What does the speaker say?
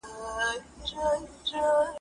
ارمان،